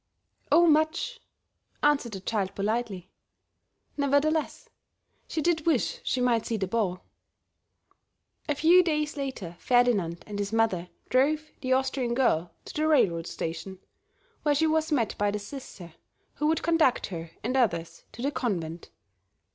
"Oh, much," answered the child, politely. Nevertheless, she did wish she might see the ball. A few days later Ferdinand and his mother drove the Austrian girl to the railroad station, where she was met by the Sister who would conduct her and others to the Convent.